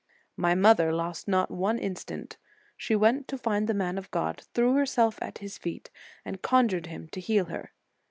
"My mother lost not one instant. She went to find the man of God, threw herself at his feet, and conjured him to heal her.